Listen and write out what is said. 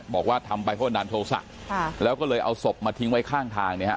บอกว่าทำไปโป้งดันโทรศักดิ์ค่ะแล้วก็เลยเอาศพมาทิ้งไว้ข้างทางเนี้ยฮะ